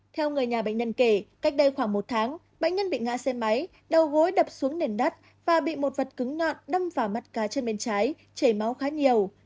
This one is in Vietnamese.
theo người nhà bệnh nhân kể cách đây khoảng một tháng bệnh nhân bị ngã xe máy đầu gối đập xuống nền đất và bị một vật cứng ngọn đâm vào mắt cá trên bên trái chảy máu khá nhiều